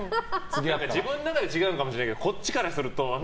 自分の中で違うのかもしれないけどこっちからするとあれ？